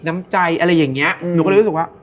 น้ำใจอะไรอย่างเงี้ยหนูก็เลยรู้สึกว่า